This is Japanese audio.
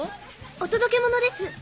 お届け物です。